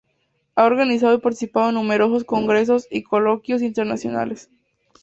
Ha organizado y participado en numerosos congresos y coloquios internacionales.